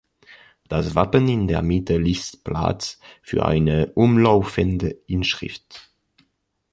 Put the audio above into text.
Das Wappen in der Mitte ließ Platz für eine umlaufende Inschrift.